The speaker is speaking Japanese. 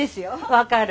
分かる。